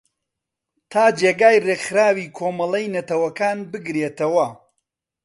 تا جێگای ریکخراوی کۆمەلەی نەتەوەکان بگرێتەوە